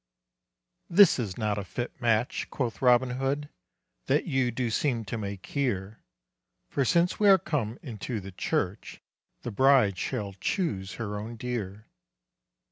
"This is not a fit match," quoth Robin Hood, "That you do seem to make here, For since we are come into the church, The bride shall choose her own dear."